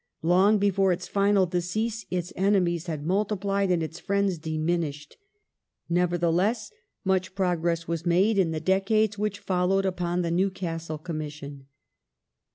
Long before its final decease its enemies had multiplied and its friends diminished. Nevertheless, much progress was made in the decades which followed upon the Newcastle Commission.